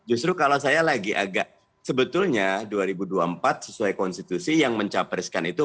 justru kalau saya lagi agak sebetulnya dua ribu dua puluh empat sesuai konstitusi yang mencapreskan itu